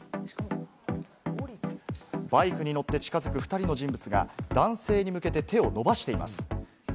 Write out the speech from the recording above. バイクに乗って近づく２人の人物が、男性に向けて手を伸ばしています。